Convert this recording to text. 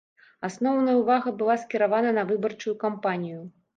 Асноўная ўвага была скіравана на выбарчую кампанію.